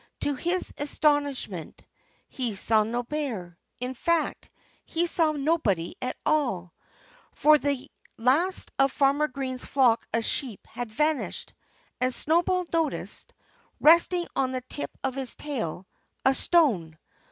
To his astonishment he saw no bear. In fact he saw nobody at all. For the last of Farmer Green's flock of sheep had vanished. And Snowball noticed, resting on the tip of his tail, a stone.